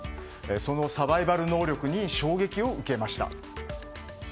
そのサバイバル能力に衝撃を受けました。